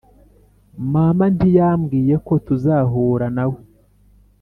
Mama ntiyambwiye ko tuzahura nawe